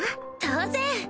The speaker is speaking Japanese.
当然！